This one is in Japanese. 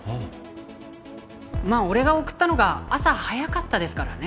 まあ俺が送ったのが朝早かったですからね。